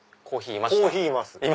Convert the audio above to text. コーヒーいます。